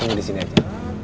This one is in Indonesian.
ini di sini aja